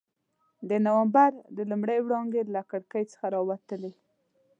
د نومبر د لمر وړانګې له کړکۍ څخه راتلې.